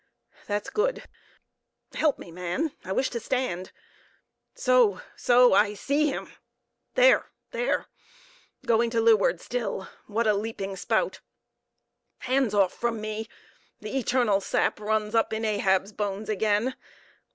"That's good. Help me, man; I wish to stand. So, so, I see him! there! there! going to leeward still; what a leaping spout!—Hands off from me! The eternal sap runs up in Ahab's bones again!